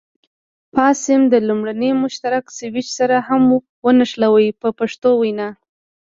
فاز سیم د لومړني مشترک سویچ سره هم ونښلوئ په پښتو وینا.